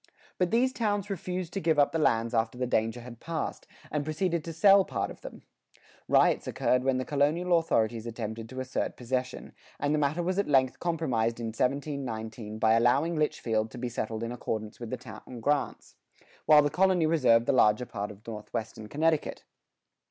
But these towns refused to give up the lands after the danger had passed, and proceeded to sell part of them.[76:2] Riots occurred when the colonial authorities attempted to assert possession, and the matter was at length compromised in 1719 by allowing Litchfield to be settled in accordance with the town grants, while the colony reserved the larger part of northwestern Connecticut.